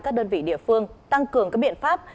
các đơn vị địa phương tăng cường các biện pháp